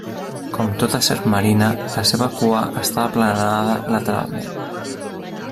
Com tota serp marina, la seva cua està aplanada lateralment.